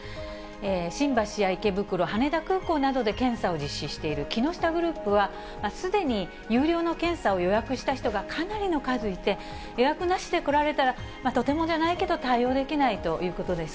新橋や池袋、羽田空港などで検査を実施している木下グループは、すでに有料の検査を予約した人がかなりの数いて、予約なしで来られたら、とてもじゃないけど対応できないということです。